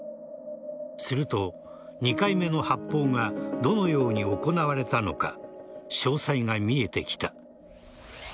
すると、２回目の発砲がどのように行われたのか詳細が見えてきた。